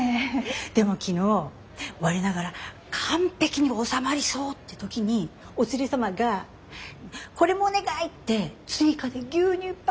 でも昨日我ながら完璧に収まりそうって時にお連れ様が「これもお願い」って追加で牛乳パック２本。